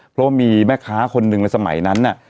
เพราะว่ามีแม่ค้าคนหนึ่งในสมัยนั้นน่ะ